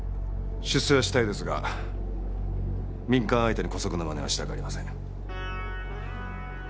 出世はしたいですが民間相手に姑息なまねはしたくありません。